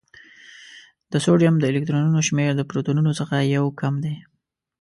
د سوډیم د الکترونونو شمېر د پروتونونو څخه یو کم دی.